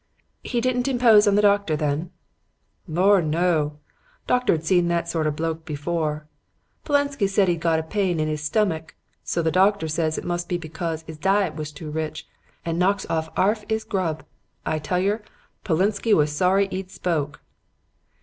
"'He didn't impose on the doctor, then?' "'Lor', no! Doctor'd seen that sort o' bloke before. Polensky said he'd got a pain in 'is stummik, so the doctor says it must be becos 'is diet was too rich, and knocks orf arf 'is grub. I tell yer, Polensky was sorry 'e'd spoke.'